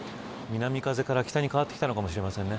南風から北に変わってきたのかもしれませんね。